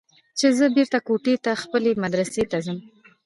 چې زه بېرته کوټې ته خپلې مدرسې ته ځم.